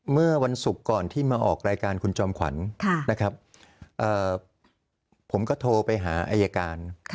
เมื่อวันศุกร์ก่อนที่มาออกรายการคุณจอมขวัญนะครับผมก็โทรไปหาอายการ